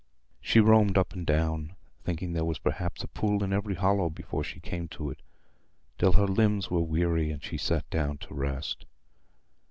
She roamed up and down, thinking there was perhaps a pool in every hollow before she came to it, till her limbs were weary, and she sat down to rest.